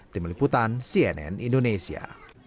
tim liputan cnn indonesia